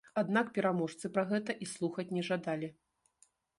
Аднак пераможцы пра гэта і слухаць не жадалі.